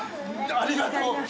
ありがとう！